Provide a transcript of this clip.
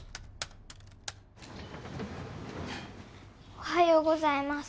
おはようございます